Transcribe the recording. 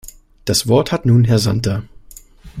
Das Wort hat nun Herr Santer.